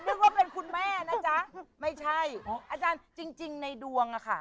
นึกว่าเป็นคุณแม่นะจ๊ะไม่ใช่อาจารย์จริงในดวงอะค่ะ